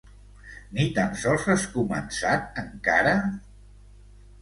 Ni tan sols has començat encara?